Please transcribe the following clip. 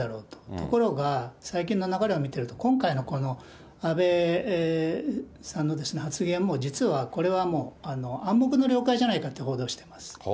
ところが、最近の流れを見てると、今回の、この安倍さんの発言も実は、これはもう、暗黙の了解じゃないかという報道してます。